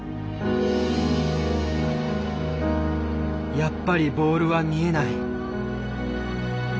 やっぱりボールは見えない。